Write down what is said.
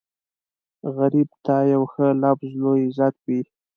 غریب ته یو ښه لفظ لوی عزت وي